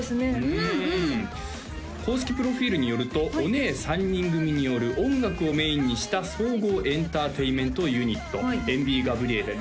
うんうん公式プロフィールによるとオネェ３人組による音楽をメインにした総合エンターテインメントユニットＥＮＶｉｉＧＡＢＲＩＥＬＬＡ